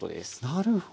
なるほど。